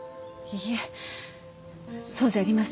いいえそうじゃありません。